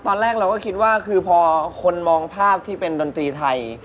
ตอนแรกเราก็คิดว่าคือพอคนมองภาพที่เป็นดนตรีไทย